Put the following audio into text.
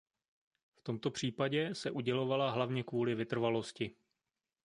V tomto případě se udělovala hlavně kvůli vytrvalosti.